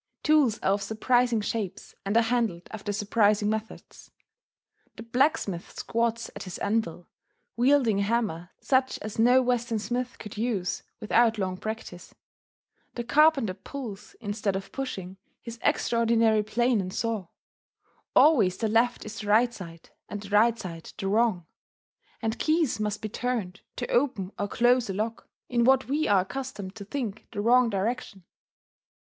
Tools are of surprising shapes, and are handled after surprising methods: the blacksmith squats at his anvil, wielding a hammer such as no Western smith could use without long practice; the carpenter pulls, instead of pushing, his extraordinary plane and saw. Always the left is the right side, and the right side the wrong; and keys must be turned, to open or close a lock, in what we are accustomed to think the wrong direction.